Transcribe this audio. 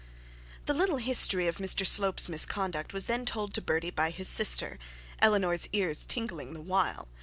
The little history of Mr Slope's misconduct was then told to Bertie by his sister, Eleanor's ears tingling the while.